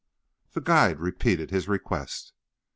"_ The guide repeated his request.